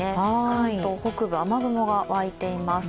関東北部、雨雲が湧いています。